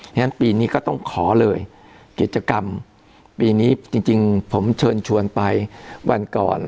งั้นปีนี้ก็ต้องขอเลยกิจกรรมปีนี้จริงผมเชิญชวนไปวันก่อน